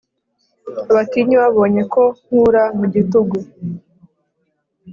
Abatinyi babonye ko nkura mu gitugu